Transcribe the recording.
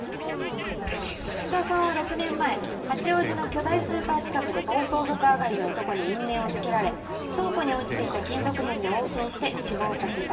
楠田さんは６年前八王子の巨大スーパー近くで暴走族上がりの男に因縁をつけられ倉庫に落ちていた金属片で応戦して死亡させた。